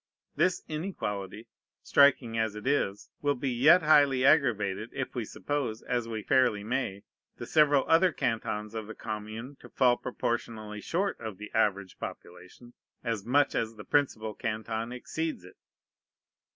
This inequality, striking as it is, will be yet highly aggravated, if we suppose, as we fairly may, the several other cantons of the commune to fall proportionally short of the average population, as much as the principal canton exceeds it.